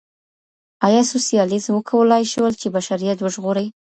ایا سوسیالیزم وکولای شول چي بشریت وژغوري؟